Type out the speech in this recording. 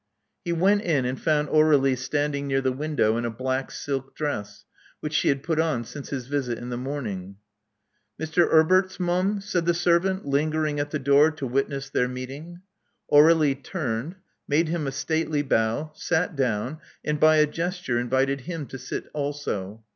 He went in and found Aur^lie standing near the window in a black silk dress, which she had put on since his visit in the morning. Mr. *Erberts, mum;" said the servant, lingering at the door to witness their meeting. Aur^lie turned ; made him a stately bow ; sat down ; and by a gesture, invited him to sit also.